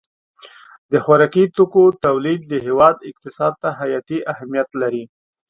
د خوراکي توکو تولید د هېواد اقتصاد ته حیاتي اهمیت لري.